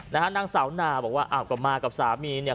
นางสาวนาบอกว่าอ้าวก็มากับสามีเนี่ย